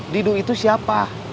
didu itu siapa